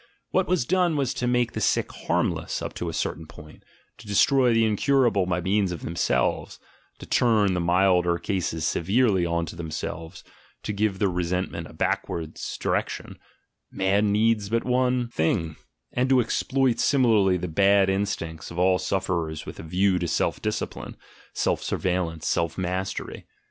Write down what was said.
What was done was to make the sick harmless up to a certain point, to destroy the incurable by means of themselves, to turn the milder cases severely on to themselves, to give their resentment a backward direction ("man needs but one thing"), and to exploit similarly the bad instincts of all sufferers with a view to self discipline, self surveillance, self mastery.